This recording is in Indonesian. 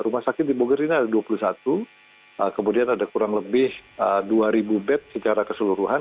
rumah sakit di bogor ini ada dua puluh satu kemudian ada kurang lebih dua ribu bed secara keseluruhan